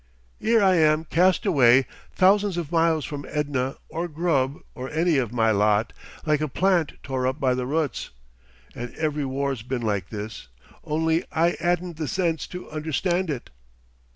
'Ere I am cast away thousands of miles from Edna or Grubb or any of my lot like a plant tore up by the roots.... And every war's been like this, only I 'adn't the sense to understand it.